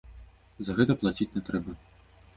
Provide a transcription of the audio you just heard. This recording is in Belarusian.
За гэта плаціць не трэба.